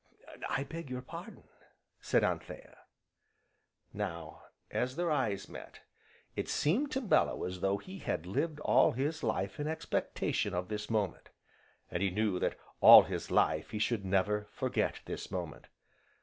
I beg your pardon!" said Anthea. Now as their eyes met, it seemed to Bellew as though he had lived all his life in expectation of this moment, and he knew that all his life he should never forget this moment.